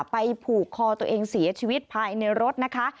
ผูกคอตัวเองเสียชีวิตภายในรถนะคะ